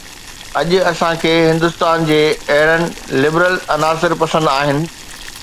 اڄ اسان کي هندستان جي اهڙن لبرل عناصر پسند آهن